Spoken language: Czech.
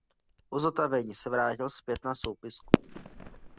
Po zotavení se vrátil zpět na soupisku.